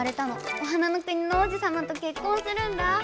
お花の国の王子さまとけっこんするんだぁ。